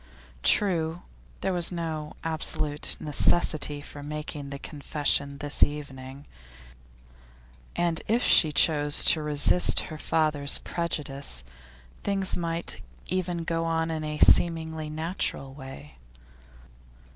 True, there was no absolute necessity for making the confession this evening, and if she chose to resist her father's prejudice, things might even go on in a seemingly natural way.